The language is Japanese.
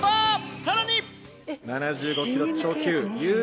さらに。